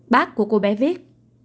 bác của cô bé viết